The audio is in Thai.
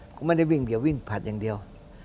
กูไม่ได้วิ่งเดี๋ยววิ่งผลัดอย่างเดียว